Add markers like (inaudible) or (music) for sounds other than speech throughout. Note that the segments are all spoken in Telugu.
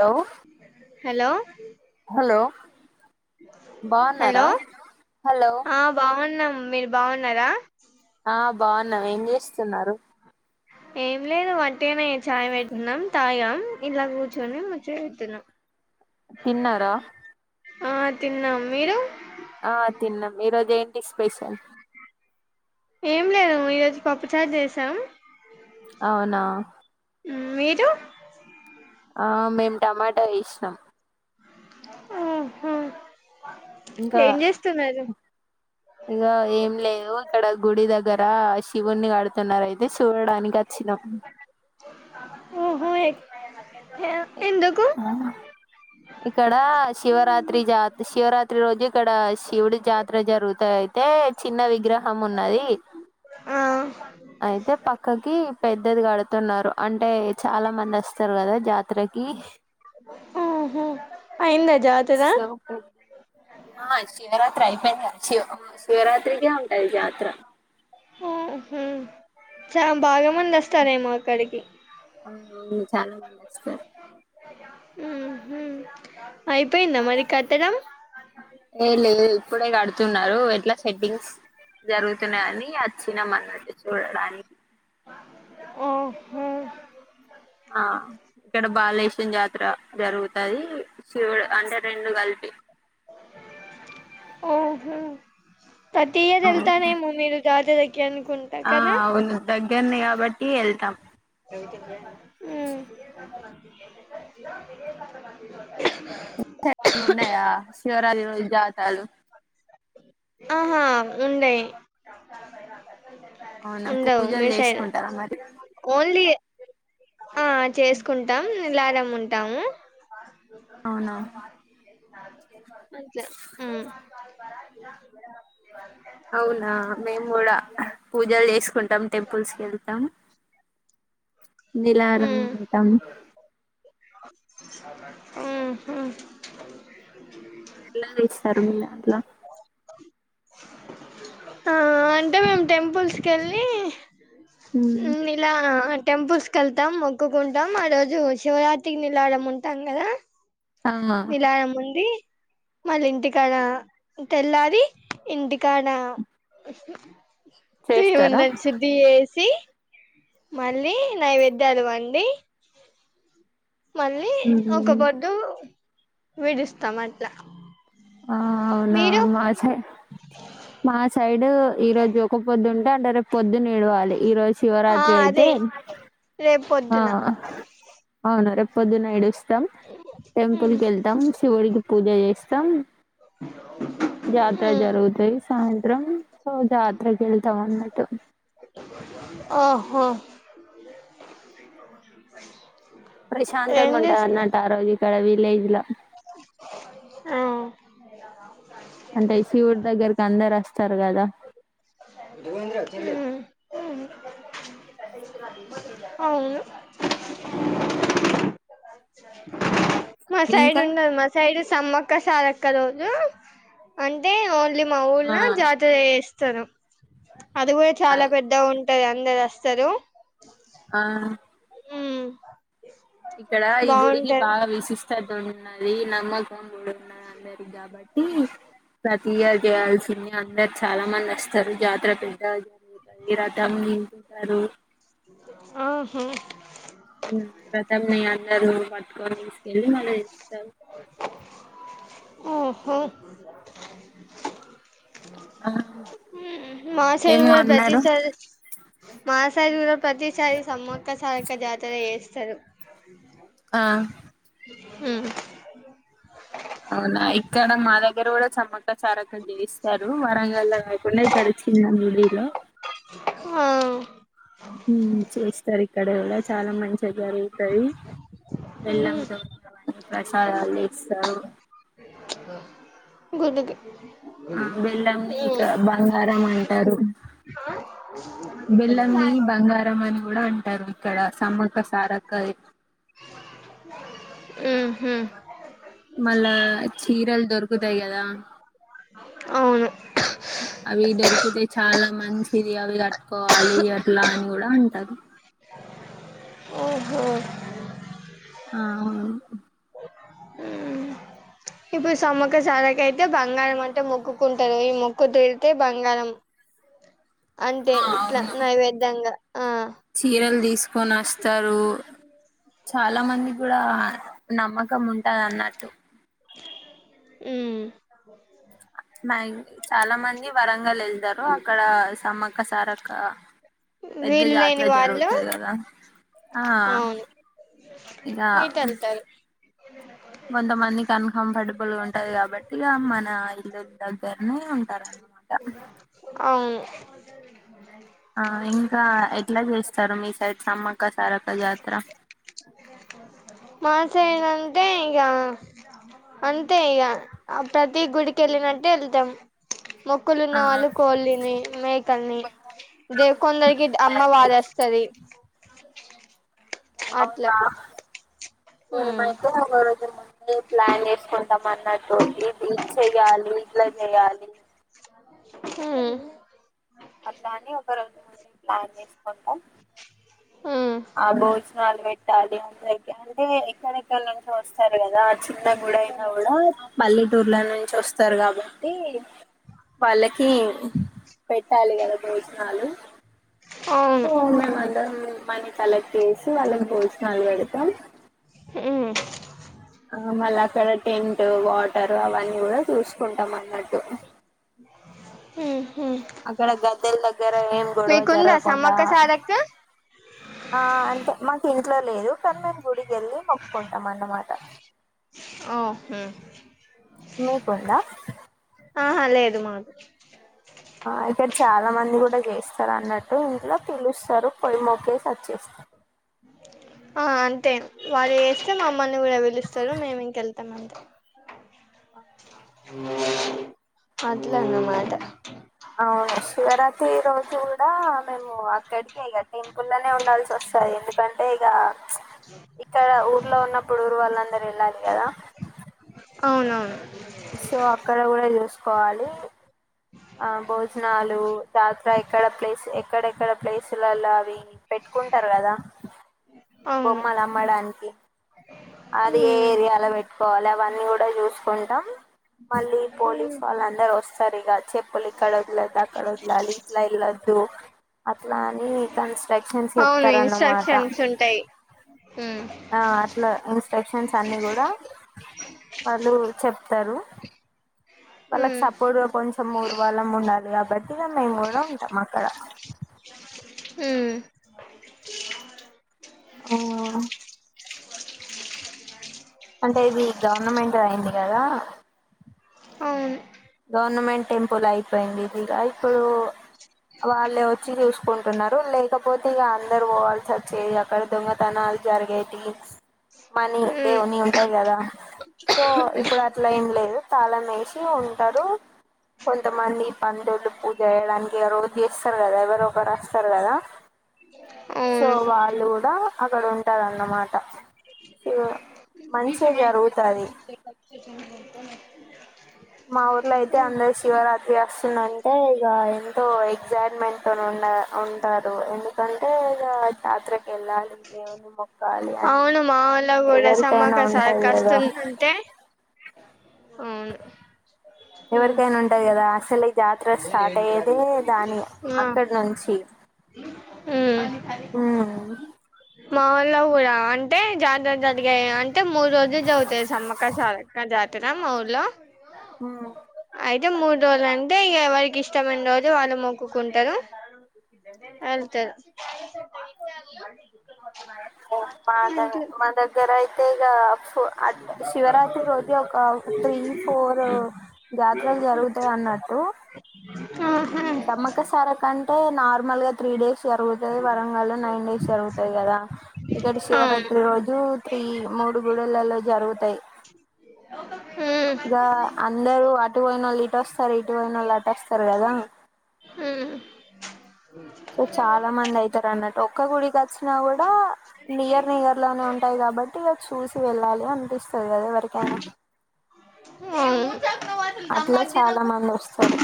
హలో హలో హలో బాగున్నారా హలో హలో ఆ బాగున్నాం మీరు బాగున్నరా ఆ బాగున్నం ఏం జేస్తున్నారు ఏం లేదు వంటిగనే ఛాయ్ వెట్కున్నం తాగాం ఇట్లాకూర్చుని ముచ్చట వెడ్తునం తిన్నారా ఆ తిన్నాం మీరు ఆ తిన్నాం ఈరోజేంటి స్పెషల్ ఏం లేదు ఈరోజు పప్పుచారు జేసాం ఔనా. ఊమ్ మీరు. ఆ మేమ్ టమాటా యేష్నం. ఊహు ఏం జేస్తుందది. ఇగ ఏం లేదు ఇక్కడ గుడి దగ్గర శివుణ్ణి కడుతున్నారు అయితే సూడానికి వచ్ నం ఆహా ఎ య అ ఇక్కడా శివరాత్రి జాత్ శివరాత్రి రోజిక్కడా శివ్డి జాత్ర జరుగుతాదై తే చిన్న విగ్రహమున్నది. ఆ. ఐతే పక్కకి పెద్దద్ గడ్తున్నారు అంటే చాలా మందొస్తర్ గదా జాతరకి ఓహో అయిందా జాతర సోపు ఆ శివరాత్రై పెయి్ందిగద శివ్ శివరాత్రికే ఉంటాది జాత్ర. ఊహు చా బాగమొందొస్తారేమో అక్కడికి ఔనవ్ను చాలా మందొస్తార్. ఊమ్హు ఐపొయ్ంద మరి కట్టడం. ఏ లేదు ఇప్పుడే గడుతున్నారు ఎట్లా సెట్టింగ్స్ జరుగుతున్నాయని అచ్చినామన్నాట చూడడానికి. ఓహో ఆ ఇక్కడ బాలేశం జాతర జరుగుతాది శివ్డు అంటె రెండు గల్ ఓహో ప్రతి అవును. ఇయరెళ్తారేమో మీరు జాతరకి అనుకుంట కద. గర్నే గాబట్టి యెళ్తాం. ఊమ్. (unintelligible) ఉన్నయా శివరాత్రి రోజు జాతర్లు. అహా ఉండయ్. అవునా ఉండవ్ పూజలు మీ సైడ్ చేసుకుంటారా మరి ఓన్లీ ఆ చేస్కుంటామ్ ల్యారముంటాము. ఔనా. అట్లా మ్మ్ ఔనా మేమ్ గూడా పూజల్ జేస్కుంటాం టెంపుల్సెకెళ్తాం. నిలారమ్ ఉంటాం. ఊమ్హు. ఎట్లా దీస్తర్ మీదాంట్ల అవ్ అంటే మేమ్ టెంపుల్సెళ్ళి ఉమ్ నిలా టెంపుల్సెళ్తాం మొక్కుకుంటాం అ రోజు శివరాత్రికి నిలారముంటామ్ గదా. ఆ నిలారముండి. మాల్లింటికాడా తెల్లారి ఇంటికాడ ఉహు చేస్తారా (unintelligible) శుద్ధి జేసి మళ్ళీ నైవేద్యాలు వండి మళ్ళీ ఉమ్, ఒక్కపొద్దూ విడుస్తామట్ల. ఆ ఔనా మా చై మా సైడూ ఈరోజు ఒక్కపొద్దుం దంటె రేప్పొద్దునిడవాలి ఈ రోజ్ ఆ శివరాత్రి ఐతే అదే రేపు ఆ పొద్దున ఔను రేప్పొద్దున్న ఇడుస్ తం ఉమ్ టెంపుల్కెళ్తాం శివ్డికి పూజ జేస్తం. జాతర ఉమ్ జరుగుతది సాయంత్రం ఓ జాత్రకెళ్తామన్నట్టు. హొ. ప్రశాంతంగా ఉంటాదన్నటు ఆ రోజ్ ఇకడ విలేజ్లా అ అంటే శివుడ్ దగ్గరకి అందరస్తార్ గదా ఉమ్ మ్ ఔను. మ ఇంకా సైడుండదు మ సైడ్ సమ్మక్క సారక్క రోజూ అంటే ఓన్లి మ ఆ ఊళ్లో జాతరజేస్తరు అది గుడ చాలా అవునాయి పెద్దగుంట్ టదందరొస్తరు. ఆ మ్ ఇక్కడ ఈ గుడి కి బా విసిస్త విశిష్టటు ఉన్నది, నమ్మకం కూడా ఉన్నది అందరి కాబట్టి మ్ ప్రతి ఇయర్ చేయాల్సింది అందరు చాలా మంది వస్తారు జాతర పెద్ద జరుగుతాయి, రథం గుంజుతారు. ఆహ్ మ్ రధం నీ అందరూ పట్టుకొని తీసుకెళ్ళి మళ్ళీ ఇస్తాం ఓహో ఆ మ్ మా సైడ్ ఏమో కూడా అన్నారు ప్రతిసారి మ సైడ్ కూడా ప్రతిసారి సమ్మక్క సారక్క జాతర చేస్తారు. ఆ మ్ అవునా ఇక్కడ మా దగ్గర కూడా సమ్మక్క సారక్క చేయిస్తారు. వరంగల్నే మొన్న ఎక్కడ ఇచ్చింది విడిలో ఆహ్ మ్ చేస్తారు ఈ ఇక్కడ కూడా చాలా మంచిగా జరుగుతది. బెల్లం మ్మ్ తోనే అవని ప్రసాదాలు ఇస్తారు. గుడికి ఆ బెల్లం ని ఇక బంగారం అంటారు. బెల్లంని బంగారం అని కూడా అంటారు ఇక్కడ సమ్మక్క సారక్క ది. మ్మ్ హ్మ్ మళ్ళా చీరలు దొరుకుతాయి కదా అవును అవి దొరికితే చాలా మంచిది అవి కట్టుకోవాలి అట్లా అని కూడా అంటారు. ఓహో ఆ అవును మ్మ్ ఇప్పుడు సమ్మక్క సారక్క అయితే బంగారం అంటే మొక్కుకుంటారు. ఈ మొక్కు తీరుతే బంగారం అంటే ఆ ఇట్లా అవును నైవేద్యంగా ఆ చీరలు తీసుకొని వస్తారు. చాలా మంది కూడా నమ్మకం ఉంటది అన్నట్టు మ్ మ్యా చాలా మంది వరంగల్ ఎల్తారు. అక్కడ సమ్మక్క సారక్క పెద్ద వీలు జాతర లేని వాళ్ళు జరుగుతది కదా ఆ అవును ఇంగ ఇటు వెళ్తారు వందమంది కన్ఫామ్ హార్టబుల్ ఉంటది కాబట్టిగా మన ఇల్లు దగ్గరనే ఉంటారన్నమాట. అవును ఆ ఇంకా ఎట్లా చేస్తారు మీ సైడ్? సమ్మక్క సారక్క జాతర తే గంతే ఇగ అంతే ఇక ప్రతి గుడికి వెళ్లినట్టు వెళ్తాం మొక్కులు ఉన్న ఆ వాళ్ళు కోళ్ళని మేకల్ని ఇదే కొందరికి అమ్మవారు వస్తది అట్లా ఉమ్ మేమయితే ఒకరోజు ముందు ప్లాన్ చేస్కుంటం అన్నట్టు ఇది ఇచ్చయ్ చేయాలి ఇట్లా చేయాలి. హుమ్ అట్లా అని ఒక రోజు ప్లాన్ చేసుకుంటాం. ఉమ్ ఆ భోజనాలు పెట్టాలి అంత అంటే ఎక్కడెక్కడనుంచో వస్తారు కదా చిన్న గుడ అయినా కూడా పల్లటూర్ల నుంచి వస్తారు కాబట్టి వాళ్ళకి పెట్టాలి కదా భోజనాలు సో అవును మేం అద్దం మనీ కలెక్ట్ చేసి వాళ్ళకి భోజనాలు పెడతాం ఉమ్ ఆ మళ్ళ అక్కడ టెంట్ వాటర్ అవన్నీ కూడా చూసుకుంటాం అన్నట్టు టు మ్మ్ అక్కడ గద్దల్ దగ్గర ఏం గొడవ మీకుందా జరగకుండా సమ్మక్క సారక్క ఆ అంతే మాకు ఇంట్లో లేదు కానీ మేము గుడికి ఎళ్ళి మొక్కుకుంటం అన్నమాట ఓ అహ మీకుందా ఆహా లేదు మాకు ఆ ఇక్కడ చాలా మంది కూడా చేస్తారు అన్నట్టు ఇంట్లో పిలుస్తారు పో మొకేసి అచ్చేతం ఆ అంతే వారు చేస్తే మమ్మలి కూడా పిలుస్తారు మేము ఇంకెల్ అట్లన్న మాట అవును శివరాత్రి రోజు కూడా మేము అక్కడికి ఇగా టెంపుల్ల్లోనే ఉండాల్సి ఒస్తంది ఎందుకంటే ఇగా ఇక్కడ ఊర్లో ఉన్నప్పుడు ఊరు వాళ్ళందరు వెళ్ళాలి కదా అవునవును పోవాలి ఇక్కడ్ ఎక్కడ ప్లేస్లలా అవి పెట్టుకుంటారు కదా అవును బొమ్మల్ అమ్మడానికి అది ఏ మ్మ్ ఏరియాల పెట్టుకోవాలి అవన్నీ కూడా చూసుకుంటాం మళ్ళీ మ్మ్ పోలీసు వాళ్ళందరు వస్తారు ఇగా చెప్పుల్ ఇక్కడ వదలొద్దు అక్కడ వదలాలి ఇట్లా వెళ్లొద్దు అట్లా అని కన్స్ట్రక్షన్స్ అవును చెప్తారన్నమాట ఇన్స్ట్రక్షన్స్ ఉంటాయి మ్మ్ ఆ అట్లా ఇన్స్ట్రక్షన్స్ అన్ని కూడా వాళ్ళు చెప్తారు వాళ్ళకి సపోర్ట్గా కొంచం ఊరు వాళ్ళం ఉండాలి వాటి మేము కూడా ఉంటాం అక్కడ ఉమ్మ్ ఓ అంటే ఇది గవర్నమెంట్ అయింది కదా అవును గవర్నమెంట్ టెంపుల్ అయిపోయింది ఇంకా ఇప్పుడు వాళ్ళే వచ్చి చూస్ కుంటున్నారు లేకపోతే ఇగా అందరు పోవాల్స వోచేది అక్కడ దొంగతనాలు జరిగేటి మనీ మ్మ్ దేవుని ఉంటాయి కదా సో ఇప్పుడు అట్లా ఏం లేదు తాళం ఎసి పో పోతారు కొంతమంది పండుళ్ళు పూజ చేయడానికి ఆ రోజు చేస్తారు కదా ఎవరు ఒకరు అస్తారు కదా సో అవును వాళ్ళు కూడా అక్కడ ఉంటారున్నమాట ఇ మా ఊర్లో అయితే అందరు శివరాత్రి వస్తుందంటే ఇగా ఎంతో ఎగ్సైట్మెంట్ తోన్ ఉం నా ఉంటారు ఎందుకంటే ఇగ జాత్రకి వెళ్ళాలి దేవున్ని మో కాలి అని అవును మా వోళ్ళ కూడా ఎవరికైనా సమ్మక్క సారక్క ఉంటది కదా వస్తుందంటే అవును మ్మ్ ఎవరికైనా ఉంటాయ్ గదా అసలు జాతర స్టార్ట్ అయ్యేదే దాని ఆ అక్కడ్ నుంచి మ్మ్ ఉమ్ మా ఊల్లో గూడా అంటే జాతర్ జరిగే అం టే మూడు రోజుల్ జరుగుతది సమ్మకా సారక్క జాతార మా ఊల్లో ఊ అయితే మూడు రోజులు అంటే ఇగ ఎవరికి ఇష్టమైన్ రోజు వాళ్ళు మొక్కుకుంటారు ఎల్తది ఒ పాతది మన దగ్గరైతే ఇగ జాతరల్ జరుగుతాయి అన్నట్టు ఆహా సామ్మక్క సారక అంటే నార్మల్ గా త్రీ డేస్ జరుగుతది వరంగల్లో నైన్ డేస్ జరుగుతది గదా ఇక్కడ ఆ శివరాత్రి రోజు త్రీ మూడు గుడులలో జరుగుతాయి ఉమ్ ఇగ అందరు అటు వొయ్నోళ్ళు ఇటోస్తారు ఇటువోయినోళ్ళు అటోస్తారు గదా ఊ సో చాలా మంది అయితారు అన్నట్టు ఒక్క గుడికచ్చినా గూడా నియర్ నియర్ లోనే ఉంటాయి కాబట్టి ఇగ చూస్ వెళ్ళాలి అనిపిస్తది గదా ఎవరికైనా అట్లా చాలా మంది ఒస్తరు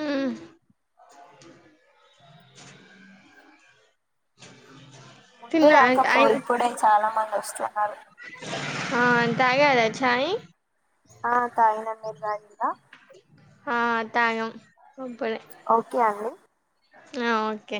ఉమ్ ముందు తిన్నా రాకపో ఇప్పుడే చాలా మంది ఒస్తారు అ తాగార చాయి ఆ తాగినం మీర్ తాగిల ఆ తాగం ఓకే అండి ఆ ఓకే